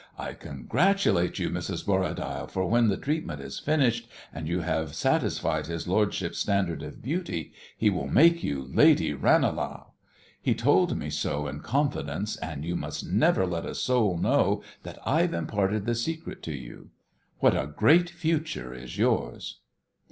"I congratulate you, Mrs. Borradaile, for when the treatment is finished, and you have satisfied his lordship's standard of beauty, he will make you Lady Ranelagh. He told me so in confidence, and you must never let a soul know that I've imparted the secret to you. What a great future is yours!"